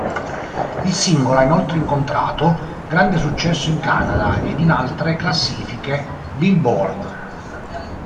Il singolo ha inoltre incontrato grande successo in Canada, ed in altre classifiche "Billboard".